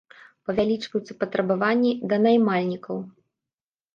Павялічваюцца і патрабаванні да наймальнікаў.